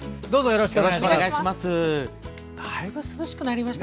よろしくお願いします。